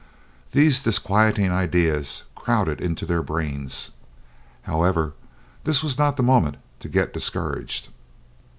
These disquieting ideas crowded into their brains. However, this was not the moment to get discouraged.